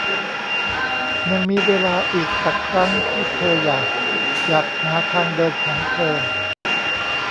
ยังมีเวลาอีกสักครั้งที่เธออยาก อยากหาทางเดินของเธอ